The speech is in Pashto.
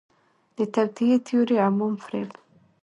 د توطئې تیوري، عوام فریب